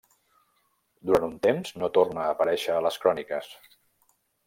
Durant un temps no torna a aparèixer a les cròniques.